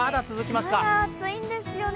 まだ暑いんですよね。